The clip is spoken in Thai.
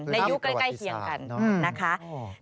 ในยุคใกล้เขียงกัน